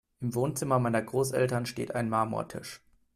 Im Wohnzimmer meiner Großeltern steht ein Marmortisch.